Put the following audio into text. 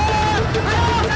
alah masa basi